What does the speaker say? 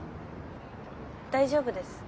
大丈夫です。